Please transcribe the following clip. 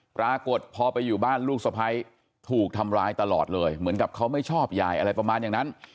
ปรากฏพอไปอยู่บ้านลูกสะพ้ายถูกทำร้ายตลอดเลยเหมือนกับเขาไม่ชอบยายอะไรประมาณอย่างนั้น